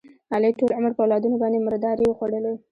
علي ټول عمر په اولادونو باندې مردارې وخوړلې.